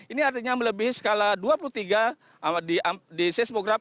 ini artinya melebihi skala dua puluh tiga di seismograf